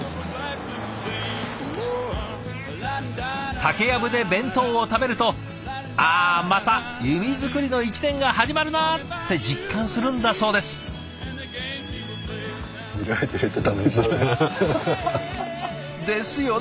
竹やぶで弁当を食べると「あまた弓作りの一年が始まるな」って実感するんだそうです。ですよね！